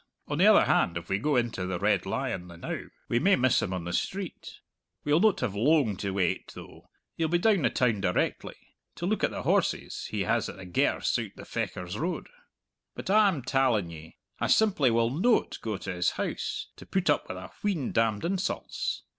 On the other hand, if we go into the Red Lion the now, we may miss him on the street. We'll noat have loang to wait, though; he'll be down the town directly, to look at the horses he has at the gerse out the Fechars Road. But I'm talling ye, I simply will noat go to his house to put up with a wheen damned insults!"